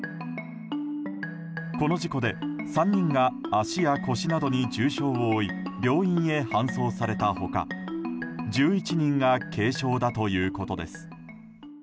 この事故で３人が足や腰などに重傷を負い病院に搬送された他１１人が軽傷だということです。